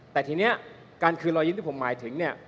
แต่ทีนี้การคืนรอยยิ้มที่ผมหมายถึงเนี่ย